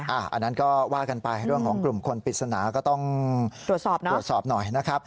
อันนั้นก็ว่ากันไปเรื่องของกลุ่มคนปริศนาก็ต้องตรวจสอบนะตรวจสอบหน่อยนะครับ